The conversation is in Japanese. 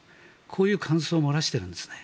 こういう感想を漏らしているんですね。